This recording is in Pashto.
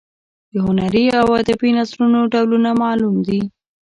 د هنري او ادبي نثرونو ډولونه معلوم دي.